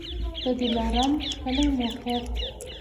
د دلارام کلی موقعیت